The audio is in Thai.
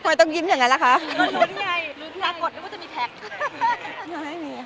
ทำไมต้องยิ้มอย่างนั้นล่ะค่ะ